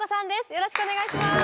よろしくお願いします。